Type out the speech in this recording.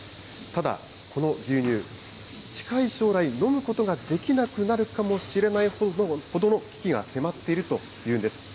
ただ、この牛乳、近い将来、飲むことができなくなるかもしれないほどの危機が迫っているというんです。